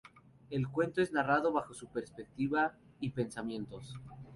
El cuento es narrado bajo su perspectiva y pensamientos.